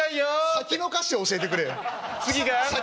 先の歌詞教えてくれよ。